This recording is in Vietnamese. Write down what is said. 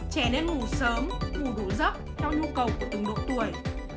trẻ nên ngủ sớm ngủ đủ giấc theo nhu cầu của từng độ tuổi